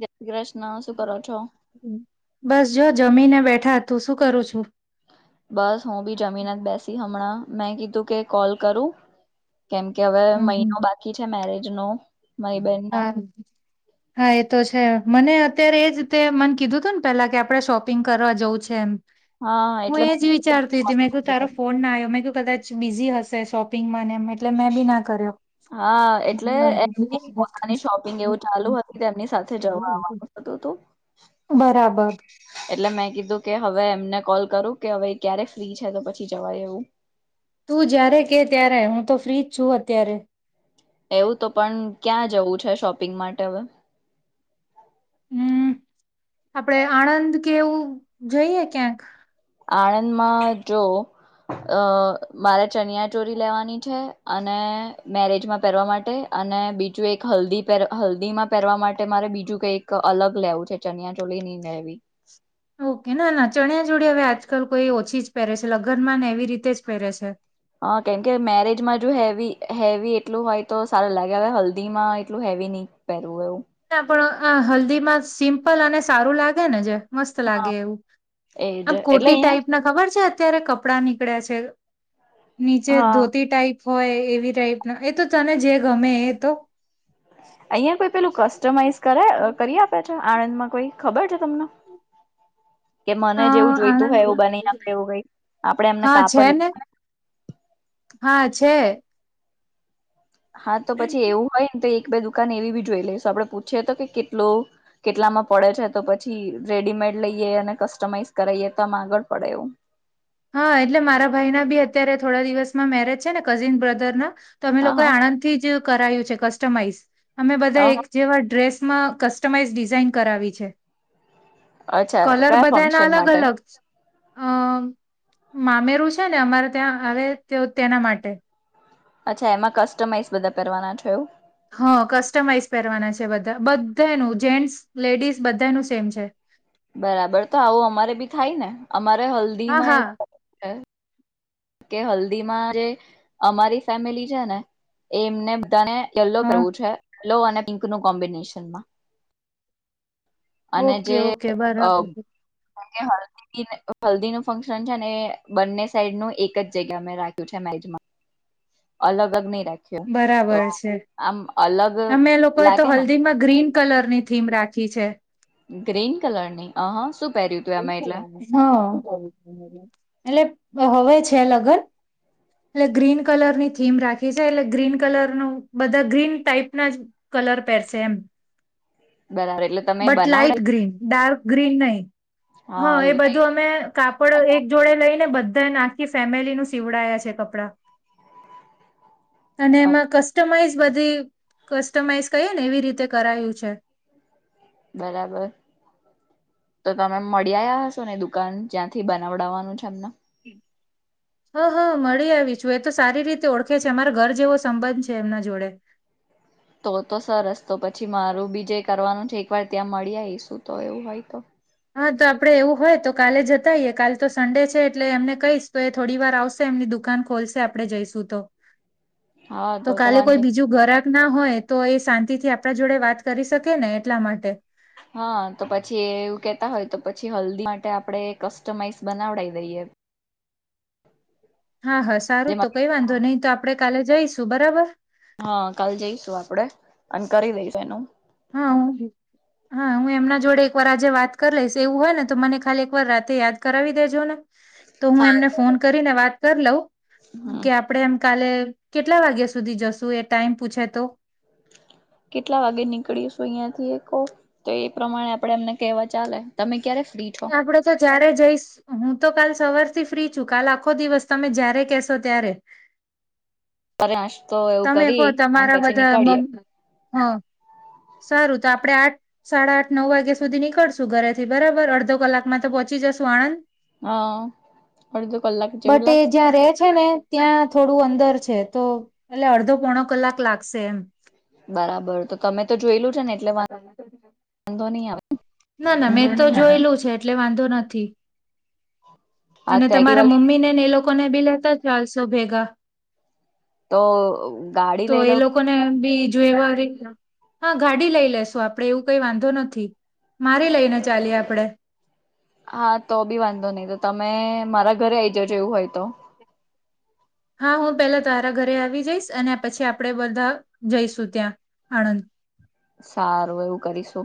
જય શ્રી કૃષ્ણ શું કરો છો? બસ જો જમીને બેઠા. તું શું કરું છું. બસ હું બી જમીન જ બેસી હમણાં મેં કીધું કે કોલ કરું. કેમ કે હવે હમ હમ. મહિનો બાકી છે મેરેજ નો મારી બેન ના હા હા એ તો છે મને અત્યારે એજ રીતે મને કીધું હતું ને પેલા કે આપણે શોપિંગ કરવા જવું છે એમ હા હું એટલે એ જ વિચારતી હતી મે તાર ફોન ના આવ્યો મેં કીધું. કદાચ બિઝી હશે શોપિંગ ને એમ એટલે મેં બી ના કર્યો હા એટલે એમની પોતાની શોપિંગ એવું ચાલુ હતી તેમની સાથે જવા [unintelligible] આવવાનું થતું હતું [inaudible] બરાબર એટલે મેં કીધું કે હવે એમને કોલ કરું કે હવે ક્યારે ફ્રી છે તો પછી જવાય એવું. તું જ્યારે કે ત્યારે હું તો ફ્રી જ છું અત્યારે એવું તો પણ ક્યાં જવું છે શોપિંગ માટે હવે. હુ આપડે આણંદ કેવું જોઈએ ક્યાંક આણંદમાં જો. અ મારે ચણિયા ચોરી લેવાની છે અને મેરેજમાં પહેરવા માટે અને બીજું એક હલ્દીમાં પહેરવા માટે મારે બીજું કંઈક અલગ લેવું છે. ચનિયા ચોલી નીવી ઓકે ના ના ચણ્યા જોડે હવે આજકાલ કોઈ ઓછી જ પહેરે છે લગનમાં ને એવી રીતે જ પહેરે છે. હ કેમ કે મેરેજમાં જો હેવી હેવી એટલું હોય તો સારું લાગે હવે હલ્દીમાં એટલું એવી નહીં પાય ના પણ આ હલ્દી માં સિમ્પલ અને સારું લાગે ને જે મસ્ત લાગે એવું એજ આમ એટલે કોટી અહિયાં ટાાઈપ ના ખબર છે અત્યારે કપડા નીકળ્યા છે નીચે હા ધોતી ટાઈપ હોય એવી ટાઈપ ના એ તો તને જે ગમે એ તો અહિયાં કોઈ પેલું કસ્ટમાઈઝ કરે અ કરી આપે છે આણંદ માં કોઈ ખબર છે તમને કે મને અ જેવું જોઈતું હોય એવું આણંદમાં બની આપડે એવું કઈ આપે એમને હા કાપડ છે લ [inaudible] ને હા, છે. હા, તો પછી એવું હોય. ને તો દુકાન એવી બી જોઈ લઈશ આપણે પૂછીએ તો કે કેટલો કેટલામાં પડે છે, તો પછી રેડીમેડ લઈએ અને કસ્ટમાઈઝ કરાઈએ, તમ આગળ પડે એવુ હા, એટલે મારા ભાઈ ના બી અત્યારે થોડા દિવસમાં મેરેજ છેને, કઝિન બ્રધર ના તો અમે હા લોકો હા આણંદથી જ કરાયું છે. કસ્ટમાઈઝ અમે બધા હા એક હા જેવા ડ્રેસ માં કસ્ટમાઈઝ ડિઝાઇન કરાવી છે. અચ્છા કલર, કયા બધાના ફંક્શન અલગ, માટે અલગ હમમ, મામેરુ છેને. અમારે ત્યાં આવે તેઓ તેના માટે અચ્છા એમાં કસ્ટમાઈઝ બધા કરવાના છો હા કસ્ટમાઈઝ પહેરવાના છે બધા બધાનું જેન્ટ્સ લેડીઝ બધાનું સેમ છે બરાબર તો આવું અમારે બી થાય ને અમારે હા હલ્દીમાં હા એવું કઈ થાય કે હલ્દી માં જે અમારી ફેમિલી છે ને એમને બધાને યલો હા કરવું છે યલો અને પિંક નું કોમ્બિનેશનમાં અને ઓકે જે ઓકે અ બરાબર હ હલ્દી હલ્દી નું ફંક્શન છે ને બંને સાઈડ નું એક જ જગ્યા મે રાખ્યું છે મેરેજમાં અલગ જ નહી રાખ્યું તો બરાબર છે આમ અલગ અમે લોકો એ તો લાગે ને હલ્દીમાં ગ્રીન કલર ની થીમ રાખી છે. ગ્રીન, કલરની આ હા સુ હા, એટલે હવે છે. લગન એટલે ગ્રીન કલરની થીમ રાખી છે. એટલે ગ્રીન કલર નું બધા ગ્રીન ટાઈપના જ કલર, પેરસે એમ બરાબર એટલે તમે બટ બનાવડ લાઈટ, ગ્રીન ડાર્ક ગ્રીન નહી, હ હા એ બધું લાઈટ અમે કાપડ એક જોડે લઈને બ બધ આખી ફેમિલી નું સીવડાયા છે, કપડા અને એમાં કસ્ટમાઈઝ બધી કસ્ટમાઈઝ કહીએ ને એવી રીતે કરાયું છે. બરાબર તો તમે મળી આયા હશો, ને દુકાન જ્યાંથી બનાવડાવવાનું છે, એમને હ, હ મળી આવી છુ. એ તો સારી રીતે ઓળખે છે અમારે ઘર જેવો સંબંધ છે, એમના જોડે તો તો સરસ તો પછી મારુ બીજે કરવાનું છે. એકવાર ત્યાં મળી આવી શું તો એવુ હોય, તો હા, તો આપડે એવું હોય તો કાલે જતા આઈએ કાલ તો સન્ડે છે એટલે એમને કહીશ તો એ થોડી વાર આવશે એમની દુકાન દુકાન ખોલશે આપડે, જઈશું તો તો કાલે કોઈ બીજું, ગરાક ના હોય, તો એ શાંતિ શાંતિથી, આપણા જોડે વાત કરી શકે ને એટલા માટે હા, તો પછી એવું કેતા હોય તો પછી હલ્દી માટે આપણે કસ્ટમાઈઝ બનાવડાઈ દઈએ એ હા, હા સારુ તો કઈ વાંધો નહી તો આપડે કાલે જઈશું બરાબર હા, કાલ જઈશુ આપડે, અને કરી દઈશું એનું. હા, હુ હા, હુ એમના જોડે એક વાર આજે વાત કર લઈશ, એવું હોય ને તો મને ખાલી એક વાર રાતે યાદ કરાવી દેજો ને. તો હુ એમને ફોન કરીને વાત કર લઉં, હમ કે આપડે એમ કાલે કેટલા વાગ્યા સુધી જશુ, એ ટાઈમ પૂછે તો? [inaudible] કેટલા વાગે નીકળીશું અહિયાં થી કો તો એ પ્રમાણે આપડે એમને કેવા ચાલે, તમે ક્યારે ફ્રી છો આપડે તો જયારે જઈશ હું હું તો કાલ સવારથી ફ્રી છું કાલ આખો દિવસ તમે જય્યારે કેશો ત્યારે. [inaudible] તમે કહો કરી અને તમારા પછી બધા મન નીકળીએ. હા. સારું તો આપણે આઠ સાડા આઠ નવ વાગ્યા સુધી નીકળશું ઘરેથી બરાબર અડધો કલાકમાં તો પહોંચી જશું આણંદ. હ અડધો કલાક જેવું બટ એ લાગશે. જ્યાં રહે છે ને ત્યાં થોડું અંદર છે તો એટલે અડધો પોણો કલાક લાગશે એમ. બરાબર તો તમે તો જોયેલું છે ને એટલે વાંધો નહી આવે. ના ના મેં તો જોયેલું છે એટલે વાંધો નથી. આ અને તો એક્ટિવા તમારા લઈને મમ્મી ને ને એ લોકોને બી લેતા ચાલશો ભેગા. તો ગાડી તો લઈ લઉ એ લોકોને બી [unintelligible] હા, ગાડી લઈ લેશું આપડે એવું કઈ વાંધો નથી. મારી લઈને, ચાલીએ આપડે હા, તો બી વાંધો નહી, તો તમે મારા ઘરે અઈ જજો એવું હોય, તો હા, હુ પેલા તારા ઘરે આવી જઈશ અને પછી આપણે બધા જઈશું ત્યાં આણંદ સારું એવું કરીશુ.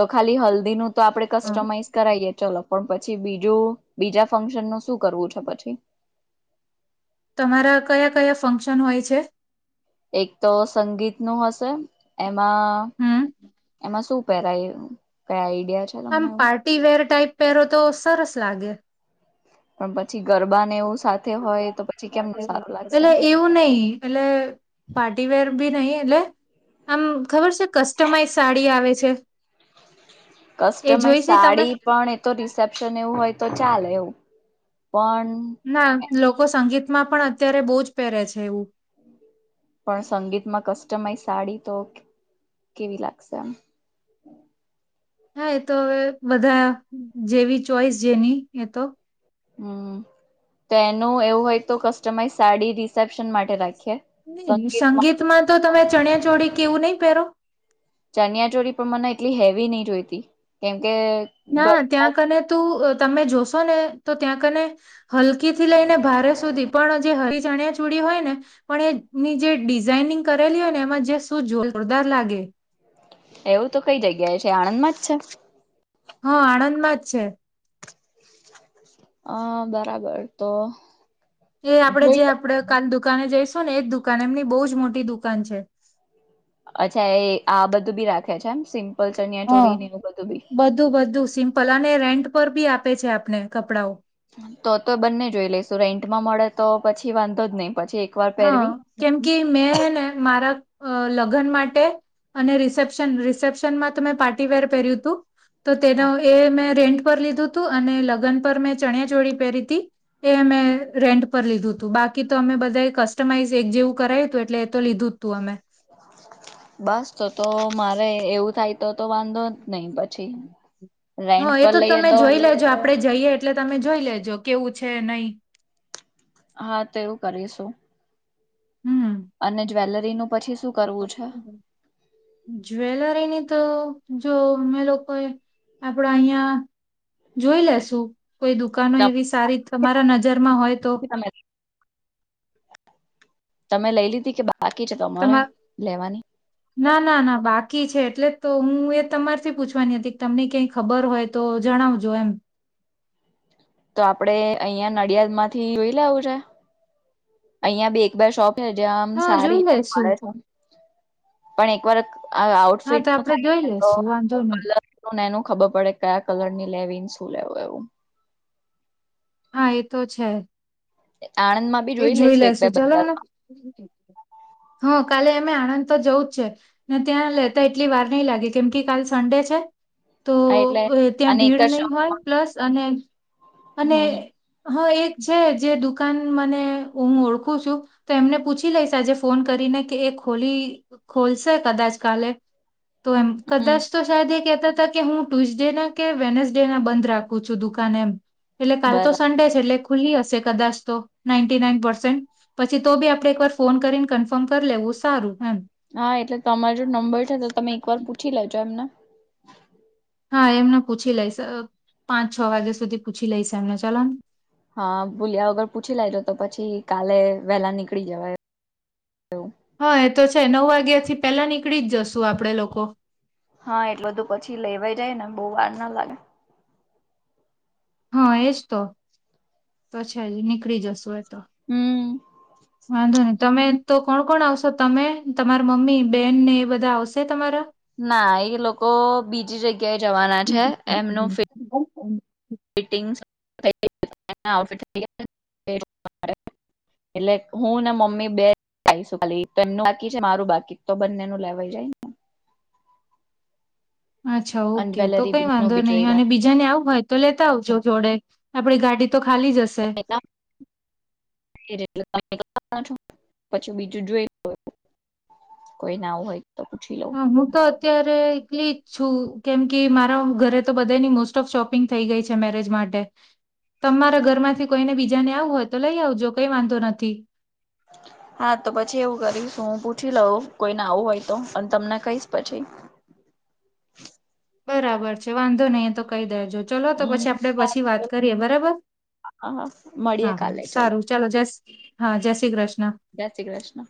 તો ખાલી હલ્દી નું તો આપડે કસ્ટમાઈઝ કરાઈએ ચલો પણ પછી, બીજું બીજા ફંક્શનનુ શું કરવુ છે. પછી? તમારા, કયા-કયા ફંક્શન હોય છે? એક તો સંગીતનુ હશે, એમાં હમ એમાં શું પેરાઈ પેઈ આમ પાર્ટી વેર ટાઈપ પહેરો તો સરસ લાગે. પણ પછી ગરબા ને એવું સાથે હોય તો પછી કેમનું સારું લાગશે પેલો એવું નહિ પેલ પાર્ટીવેર બી નહિ એટલે આમ ખબર છે કસ્ટમાઈઝ સાડી આવે છે એ જોઈ કસ્ટમાઈઝ છે તમે સાડી પણ એ તો રિસેપ્શન એવું હોય તો ચાલે એવું. પણ ના લોકો સંગીતમાં પણ અત્યારે બહુ જ પહેરે છે એવું. પણ સંગીતમાં કસ્ટમાઈઝ સાડી તો કેવી લાગશે આમ હા એ તો હવે બધા જેવી ચોઈસ જેની એ તો. હમ્મ. તો એનું એવું હોય તો કસ્ટમાઈઝ સાડી રિસેપ્શન માટે રાખ સંગીતમાં તો તમે ચણીયા ચોળી કે એવું નહી પહેરો ચનિયા ચોરી પણ મને એટલી હેવી નહી જોઈતી કેમ ના ત્યાં કને તું અહ તમે જોશો ને તો ત્યાં કને હલકી થી લઈને ભારે સુધી પણ જે હરી ચનીયા ચુડી હોય ને પણ એની જે ડિઝાઈનિંગ કરેલી હોય ને એમાં જે શું જોરદાર લાગે. એવું તો કઈ જગ્યાએ છે, આણંદમાં જ છે હા આણંદમાં છે. અહ બરાબર તો જે આપડે જોઈ જે આપડે કાલ દુકાને જઈશું શું ને એ જ દુકાન એમની બહુ જ મોટી દુકાન છે. અચ્છા એ આ બધું બી રાખે છે એમ સિંગ હા બધું બધું સિમ્પલ અને રેન્ટ પર બી આપે છે આપણે કપડાઓ તો તો બંને જોઈ લઈસુ રેન્ટમાં મળે તો પછી વાંધો જ નહીં હા કેમ કે મેં હે ને મારા લગ્ન માટે અને રિસેપ્શન રિસેપ્શનમાં તમે પાર્ટીવેર પહેર્યું હતું તો તેનો એ મેં રેન્ટ લીધું હતું અને લગ્ન પર મેં ચણીયા ચોળી પહેરીતી એ મેં રેન્ટ પર લીધું હતું બાકી તો અમે બધા કસ્ટમાઈઝ એક જેવું કરાયું હતું એટલે એ તો લીધું જ તું અમે બસ તો તો મારે એવું થાય તો તો વાંધો જ નહીં પછી રેન્ટ હા એ પર લઈએ તમે તો જોઈ લેજો આપડે જઈએ એટલે તમે જોઈ લેજો કેવું છે નહી હા તો એવું કરીશું. હમ અને જ્વેલરીનું પછી શું કરવું છે? જ્વેલરીની તો જો અમે લોકો એ આપડા અહીંયા જોઈ લેશુ કોઈ દુકાનો એવી સારી તમારા નજરમાં હોય તો તમે તમે લઈ લીધી કે બા તમાર ના ના ના બાકી છે એટલે તો હું એ તમારેથી પૂછવાની હતી કે તમને ક્યાંય ખબર હોય તો જણાવજો એમ. તો આપડે અહિયાં નડિયાદ માંથી જોઈ લેવું છે અહિયાં બી એક બે શોપ હજમ હા સારી જોઈ લેશું મળે છે પણ એક વાર આ હા આઉટફિટ તો નું આપડે થાય જોઈ ને તો લેશું વાંધો નહી કલરને એનું ખબર પડે કયા કલર ની લેવીને શું લેવું એવું હા એ તો છે આણંદ માં બી એ જોઈ લઈશું એક લેશુ બે ચલોને બજારમાં કાલે અમે આણંદ તો જવું જ છે ને ત્યાં લેતા એટલી વાર નહીં લાગે કેમ કે કાલ સન્ડે છે તો હા એટલે ત્યાં અને એક ભીડ જ નહી શોપ હોય પ્લસ અને અને હમ હા એક છે જે દુકાન મને હું ઓળખું છું તો એમને પૂછી લઈશ આજે ફોન કરીને કે ખોલીો લશે કદાચ કાલે તો એમ હમ કદાચ તો સાજે કેતા હતા કે હું ટ્યુઝડે ના કે વેનસડે ના બંધ રાખું છું દુકાન એમ. એટલે કાલ તો બરાબર સન્ડે છે એટલે ખુલી હશે કદાચ તો. નાઇન્ટી નાઈન પર્સેન્ટ પછી તો બી આપણેે એક વાર ફોન કરીન કન્ફર્મ કર લેવું સારું. એમ હા એટલે તમાર જોડ નંબર છે તો તમે એકવાર પૂછી લેજો એમન. હા એમન પૂછી લઈશ અ પાંચ છ વાગ્યા સુધી પૂછી લઈશ એમન ચલોન. હા ભૂલ્યા વગર પૂછી લેજો તો પછી કાલે વેલા નીકળી જવાય તો હા એ તો છે નવ વાગ્યાથી પેલા નીકળી જ જશુ આપણેે લોકો. હા એટ બધું પછી લેવા જાય ન બહુંવાર ના લાગે. હા એજ તો તો છે જ નીકળી જશુ એ હમ વાંધો નઈ તમે તો કોણ કોણ આવશો તમે તમારા મમ્મી બેન ને એ બધા આવશે તમારા. ના એ લોકો બીજી જગ ક્યાં જવાના છે એમનુંફિટ ફીટિંગ્સ [unintelligible] એટલે હું ને મમ્મી બે આયીશું ખાલી બેનનું બાકી છે મારું બાકી તો બંને નું લેવાય જાય ને. અચ્છા અને ઓકે તો કઈ જ્વેલરી નું વાંધો બી જોઈ નહીં લે. અને બીજા ને આવું હોય તો લેતા આવજો જોડે આપડી ગાડી તો ખાલી જશે. [unintelligible] પછી બીજું જોઈ કોઈને આવું હોય તો પૂછી લઉં. હા હું તો અત્યાર એકલી જ છું કેમ કે મારા ઘરે તો બધાની મોસ્ટ ઓફ શોપિંગ થઈ ગઈ છે મેરેજ માટે. તમારા ઘરમાંથી કોઈને બીજાને આવું હોય તો લઈ આવજો કઈ વાંધો નથી. [inaudible] હા તો પછી એવું કરીશ હું પૂછી લઉં કોઈને આવું હોય તો અન તમને કહીશ પછી. [inaudible] બરાબર છે વાંધો નહી તો કઈ દેજો. ચલો તો પછી હમ આપડે પછી વાત હા કરીએ બરાબર હા મળીએે હા હા કાલે ચલો સારું ચાલો જસ હા જય શ્રી કૃષ્ણ. જય શ્રી કૃષ્ણ.